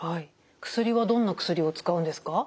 薬はどんな薬を使うんですか？